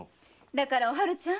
だからお春ちゃん。